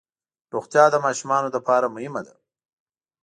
روغتیا د ماشومانو لپاره مهمه ده.